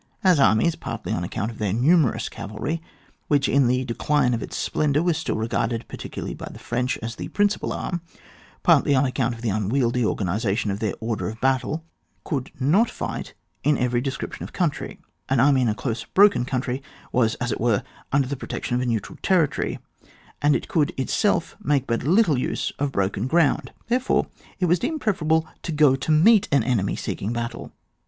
As armies, partly on account of their numerous cavalry, which in the decline of its splendour was still regarded, particularly by the French, as the principal arm, partly on account of the unwieldy organisation of their order of battle, could not fight in every description of country, an army in a close broken countiy was as it were under the protection of a neutral territory, and as it could itself make but little use of broken ground, therefore, it was deemed preferable to go to meet aa enemy seeking battle.